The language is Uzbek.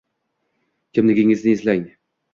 Kimligingizni eslang